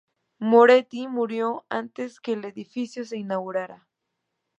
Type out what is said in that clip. Moretti murió antes que el edificio se inaugurara.